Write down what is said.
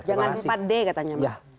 jangan empat d katanya mbak